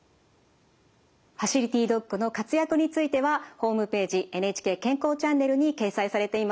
ファシリティドッグの活躍についてはホームページ「ＮＨＫ健康チャンネル」に掲載されています。